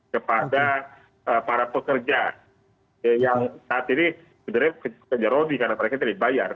kepada para pekerja yang saat ini sebenarnya kerja rodi karena mereka tadi bayar